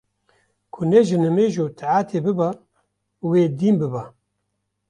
ku ne ji nimêj û taetê biba wê dîn biba